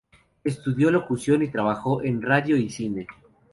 Estudió locución y trabajó en radio y cine.